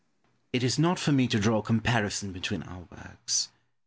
Pope. It is not for me to draw a comparison between our works.